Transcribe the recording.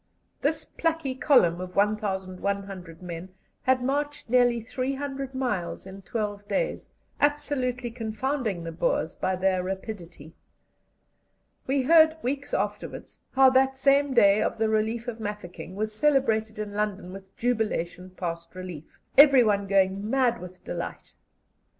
This plucky column of 1,100 men had marched nearly 300 miles in twelve days, absolutely confounding the Boers by their rapidity. We heard weeks afterwards how that same day of the relief of Mafeking was celebrated in London with jubilation past belief, everyone going mad with delight.